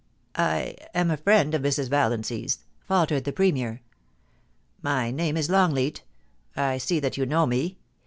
' I — am a friend of Mrs. Valiancy's,' faltered the Premier. My name is Longleat I see that you know me.